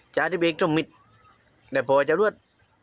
จาที่พีคพรมมิตรได้พอจะรวด